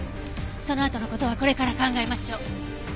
そのあとの事はこれから考えましょう。